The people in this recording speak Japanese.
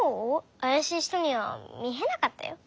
あやしい人にはみえなかったよ。